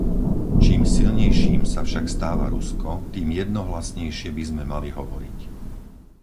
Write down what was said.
Čím silnejším sa však stáva Rusko, tým jednohlasnejšie by sme mali hovoriť.